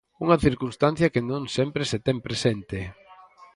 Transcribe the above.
Unha circunstancia que non sempre se ten presente.